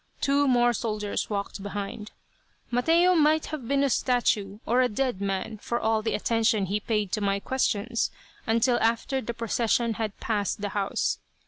Two more soldiers walked behind. Mateo might have been a statue, or a dead man, for all the attention he paid to my questions until after the procession had passed the house.